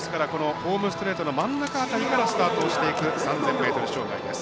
ホームストレートの真ん中からスタートしていく３０００ｍ。